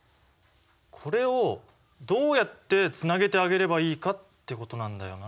これをどうやってつなげてあげればいいかってことなんだよなあ。